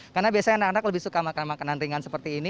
karena biasanya anak anak lebih suka makan makanan ringan seperti ini